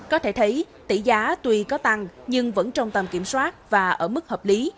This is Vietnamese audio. có thể thấy tỷ giá tuy có tăng nhưng vẫn trong tầm kiểm soát và ở mức hợp lý